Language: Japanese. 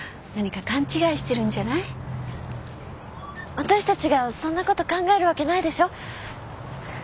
私たちがそんなこと考えるわけないでしょ